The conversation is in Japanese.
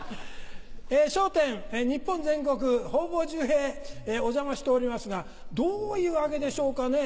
『笑点』日本全国方々じゅうへお邪魔しておりますがどういうわけでしょうかね